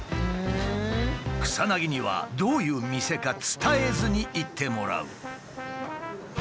草薙にはどういう店か伝えずに行ってもらう。